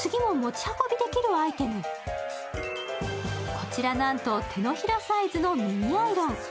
こちら、なんと手のひらサイズのミニアイロン。